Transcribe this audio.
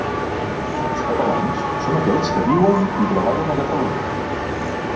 Els catalans són aquells que viuen i treballen a Catalunya.